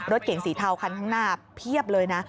รถเก๋งสีเทาคันข้างหน้าเพียบเลยนะ